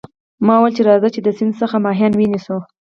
ما وویل چې راځه چې د سیند څخه ماهیان ونیسو.